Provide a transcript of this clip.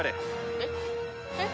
えっ？えっ？